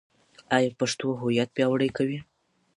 ایا پښتو هویت پیاوړی کوي؟